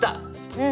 うん。